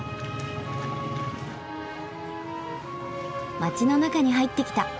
街の中に入ってきた。